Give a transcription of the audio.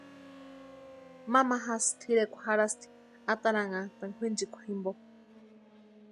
Mamajasï tʼirekwa jarhasti ataranhantani kwʼinchika jimpo.